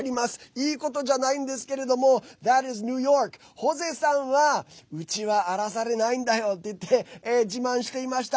いいことじゃないんですけれどもＴｈａｔ’ｓＮＹ．ホゼさんはうちは荒らされないんだよ！って自慢していました。